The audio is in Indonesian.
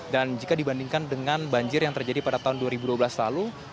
dan jika dibandingkan dengan banjir yang terjadi pada tahun dua ribu dua belas lalu